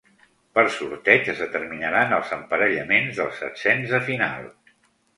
Per sorteig es determinaran els emparellaments dels setzens de final.